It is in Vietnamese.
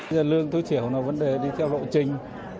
nhà lương tối thiểu là vấn đề đi theo lộ trình